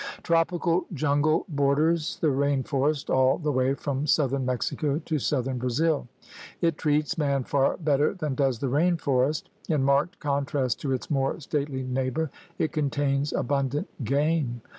^ Tropical jungle borders the rain forest all the way from southern Mexico to southern Brazil. It treats man far better than does the rain forest. In marked contrast to its more stately neighbor, it contains abundant game.